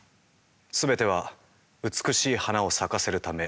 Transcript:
全ては美しい花を咲かせるため。